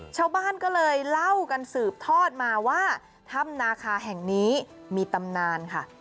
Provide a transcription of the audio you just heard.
ชาวบ้านก็เลยเล่ากันสืบทอดมาว่าถ้ำนาคาแห่งนี้มีตำนานค่ะ